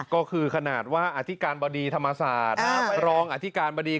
ก็คือขนาดว่าอธิการบดีธรรมศาสตร์รองอธิการบดี